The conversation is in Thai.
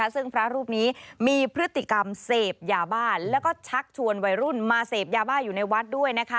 ซึ่งพระรูปนี้มีพฤติกรรมเสพยาบ้าแล้วก็ชักชวนวัยรุ่นมาเสพยาบ้าอยู่ในวัดด้วย